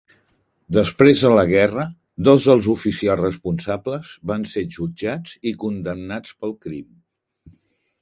Després de la guerra, dos dels oficials responsables van ser jutjats i condemnats pel crim.